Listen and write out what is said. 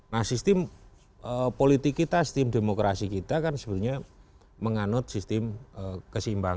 nah sistem politik kita sistem demokrasi kita kan sebenarnya menganut sistem keseimbangan